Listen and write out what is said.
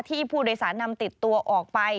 ที่ผู้โดยสารนำติดตัวออกไป